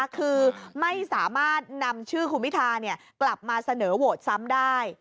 คือไม่สามารถนำชื่อคุณพิธากลับมาเสนอโหวตซ้ำได้